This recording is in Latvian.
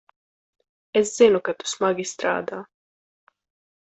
Es zinu, ka tu smagi strādā.